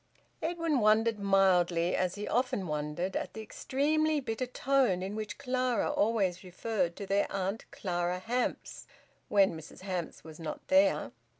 Edwin wondered mildly, as he often wondered, at the extremely bitter tone in which Clara always referred to their Aunt Clara Hamps, when Mrs Hamps was not there.